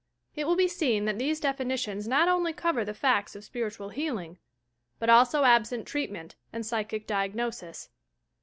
It will be seen that these definitions not only cover the facts of spiritual healing, but also absent treatment and psychic diagnosis.